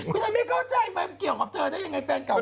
คุณไอ้ไม่เข้าใจไหมเกี่ยวกับเธอได้ยังไงแฟนเก่า